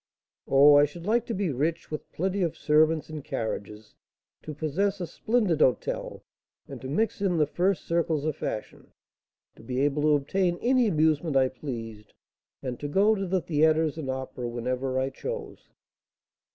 "Oh, I should like to be rich, with plenty of servants and carriages; to possess a splendid hôtel, and to mix in the first circles of fashion; to be able to obtain any amusement I pleased, and to go to the theatres and opera whenever I chose."